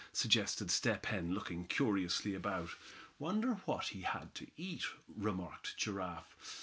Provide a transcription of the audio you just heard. suggested Step Hen, looking curiously about. "Wonder what he had to eat?" remarked Giraffe.